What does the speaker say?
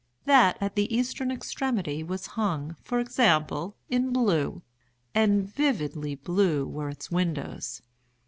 That at the eastern extremity was hung, for example, in blue—and vividly blue were its windows.